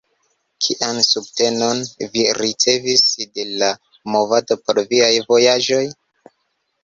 Kian subtenon vi ricevis de la movado por viaj vojaĝoj?